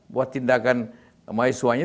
buat tindakan mahasiswanya